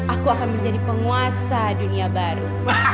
aku akan menjadi penguasa dunia baru